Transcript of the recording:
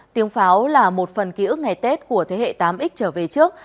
tiếng pháo là một phần ký ức ngày tết của thế hệ tám x trở về trước